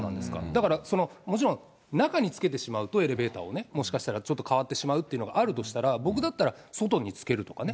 だから、もちろん中につけてしまうと、エレベーターをね、もしかしたらちょっと変わってしまうというのがあるとしたら、僕だったら外につけるとかね。